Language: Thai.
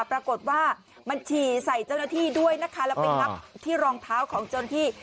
ปรากฏว่ามันฉี่ใส่เจ้าหน้าที่ด้วยนะคะแล้วไปงับที่รองเท้าของเจ้าหน้าที่